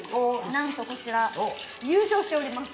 なんとこちら優勝しております。